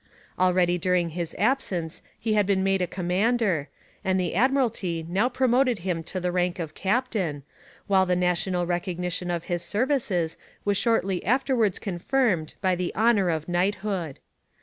Already during his absence he had been made a commander, and the Admiralty now promoted him to the rank of captain, while the national recognition of his services was shortly afterwards confirmed by the honour of knighthood.